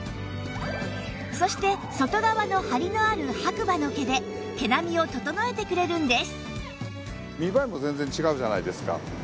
そして外側のハリのある白馬の毛で毛並みを整えてくれるんです